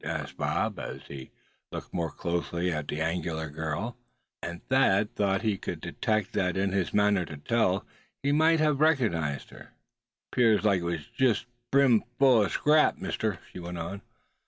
asked Bob, as he looked more closely at the angular girl; and Thad thought he could detect that in his manner to tell he might have recognized her. "'Pears like it was jest brim full of scrap, mister," she went on.